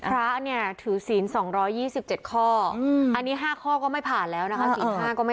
พระเนี่ยถือศีล๒๒๗ข้ออันนี้๕ข้อก็ไม่ผ่านแล้วนะคะ